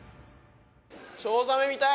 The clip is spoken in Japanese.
チョウザメ見たい。